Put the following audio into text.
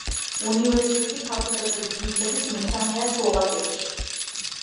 უნივერსიტეტი ფაკულტეტების მიხედვით მესამეა სლოვაკეთში.